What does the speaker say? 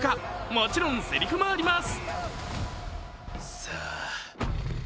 もちろんせりふもあります。